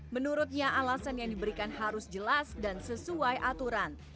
menurutnya alasan yang diberikan harus jelas dan sesuai aturan